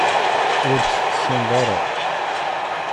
Ur tt-tessineḍ ara